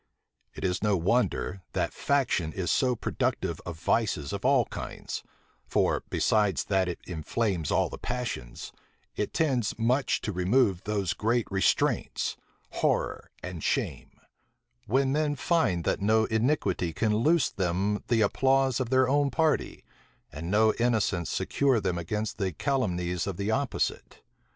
It is no wonder, that faction is so productive of vices of all kinds; for, besides that it inflames all the passions, it tends much to remove those great restraints, horror and shame; when men find that no iniquity can lose them the applause of their own party, and no innocence secure them against the calumnies of the opposite.